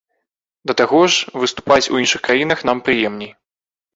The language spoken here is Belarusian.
Да таго ж, выступаць у іншых краінах нам прыемней.